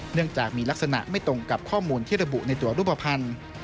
เนื่องจากมีลักษณะไม่ตรงกับข้อมูลที่ระบุในตัวรูปภัณฑ์